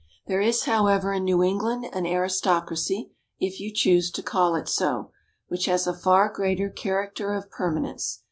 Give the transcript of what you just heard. There is, however, in New England, an aristocracy, if you choose to call it so, which has a far greater character of permanence.